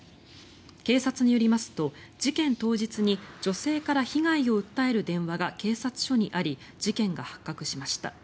警察によりますと事件当日に女性から被害を訴える電話が警察署にあり事件が発覚しました。